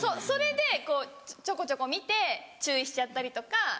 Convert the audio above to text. それでこうちょこちょこ見て注意しちゃったりとか。